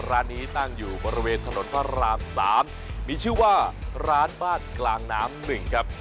ร้านนี้ตั้งอยู่บริเวณถนนพระราม๓มีชื่อว่าร้านบ้านกลางน้ำ๑ครับ